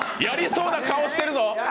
やりそうな顔してるぞ！